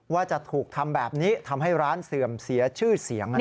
ว่าจะถูกทำแบบนี้ทำให้ร้านเสื่อมเสียชื่อเสียง